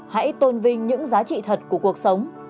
hãy tôn vinh những giá trị thật của cuộc sống